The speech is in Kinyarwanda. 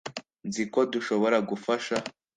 nzi ko dushobora gufasha